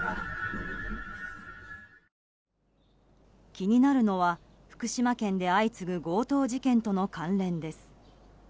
気になるのは福島県で相次ぐ強盗事件との関連です。